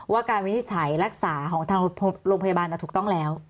การวินิจฉัยรักษาของทางโรงพยาบาลถูกต้องแล้ว